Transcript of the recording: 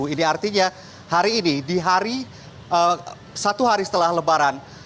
ini artinya hari ini di hari satu hari setelah lebaran